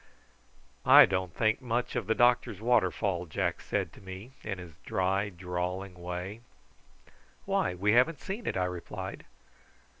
"I don't think much of the doctor's waterfall," Jack said to me, in his dry drawling way. "Why, we haven't seen it!" I replied.